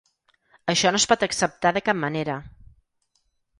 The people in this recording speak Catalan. Això no es pot acceptar de cap manera.